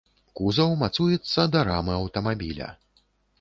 Кузаў мацуецца да рамы аўтамабіля.